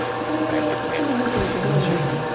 ちなみに今見ていてどうですか？